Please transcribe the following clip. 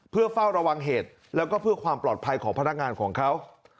เพื่อเฝ้าระวังเหตุแล้วก็เพื่อความปลอดภัยของพนักงานของเขา